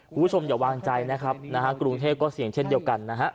คุณผู้ชมอย่าวางใจนะครับนะฮะกรุงเทพก็เสี่ยงเช่นเดียวกันนะฮะ